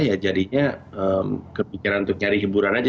ya jadinya kepikiran untuk nyari hiburan aja